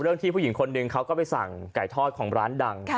ที่ผู้หญิงคนหนึ่งเขาก็ไปสั่งไก่ทอดของร้านดัง